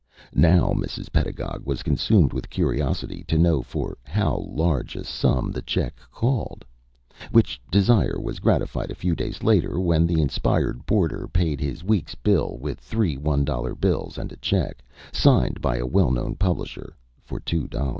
Now Mrs. Pedagog was consumed with curiosity to know for how large a sum the check called which desire was gratified a few days later, when the inspired boarder paid his week's bill with three one dollar bills and a check, signed by a well known publisher, for two dollars.